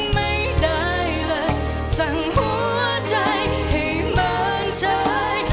ไม่ได้เลยสั่งหัวใจให้เหมือนใจ